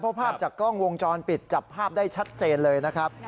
เพราะภาพจากกล้องวงจรปิดจับภาพได้ชัดเจนเลยนะครับ